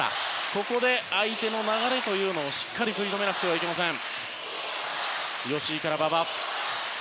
ここで相手の流れをしっかり食い止めないといけません。